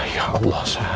ya allah sa